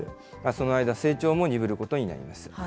その間、成長も鈍ることになります。